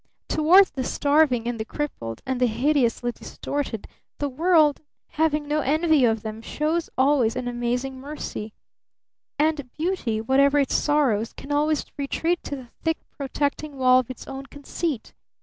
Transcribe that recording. Toward the starving and the crippled and the hideously distorted, the world, having no envy of them, shows always an amazing mercy; and Beauty, whatever its sorrows, can always retreat to the thick protecting wall of its own conceit.